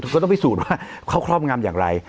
ก็ต้องพิสูจน์ว่าเขาครอบงำอย่างไร